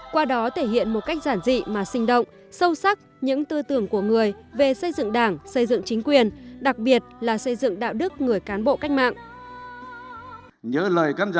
qua đó thể hiện một cách giản dị mà sinh động sâu sắc những tư tưởng của người về xây dựng đảng xây dựng chính quyền đặc biệt là xây dựng đạo đức người cán bộ cách mạng